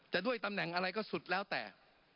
ด้วยตำแหน่งอะไรก็สุดแล้วแต่